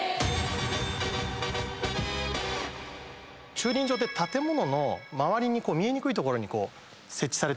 駐輪場って建物の周りに見えにくい所に設置されてるじゃないですか。